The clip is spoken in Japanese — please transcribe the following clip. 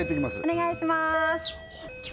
お願いします